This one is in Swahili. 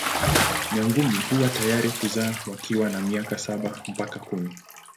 Nyangumi huwa tayari kuzaa wakiwa na miaka saba mpaka kumi.